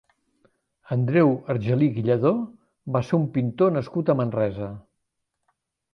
Andreu Argelich i Lladó va ser un pintor nascut a Manresa.